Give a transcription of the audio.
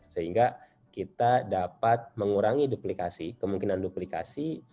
sehingga kita dapat mengurangi duplikasi kemungkinan duplikasi